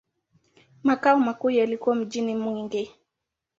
Makao makuu yalikuwa mjini Mwingi.